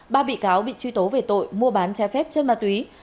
ba bị cáo bị truy tố về tội mua bán trái phép chân ma túy